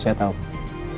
sebentar ya pak